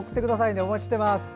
お待ちしています。